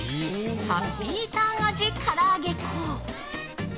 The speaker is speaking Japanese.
ハッピーターン味から揚げ粉。